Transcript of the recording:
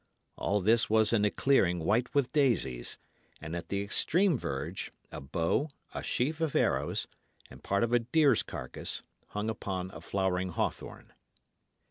All this was in a clearing white with daisies; and at the extreme verge, a bow, a sheaf of arrows, and part of a deer's carcase, hung upon a flowering hawthorn.